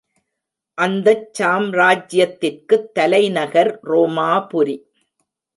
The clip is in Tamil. அந்தச் சாம்ராஜ்யத்திற்குத் தலைநகர் ரோமாபுரி.